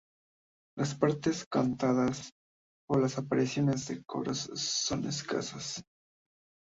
Las partes cantadas o las apariciones de coros son escasas.